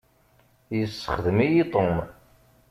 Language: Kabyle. Yessexdem-iyi Tom.